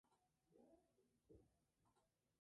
La formación de cada individuo era competencia del Estado.